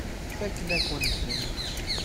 Fakken-akent-ten.